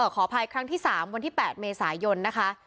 ขออภัยครั้งที่๓วันที่๘เมษายนนะคะ